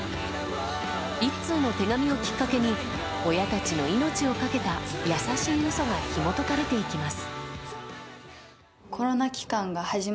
１通の手紙をきっかけに親たちの命を懸けた優しい嘘がひも解かれていきます。